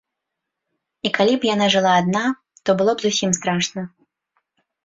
І калі б яна жыла адна, то было б зусім страшна.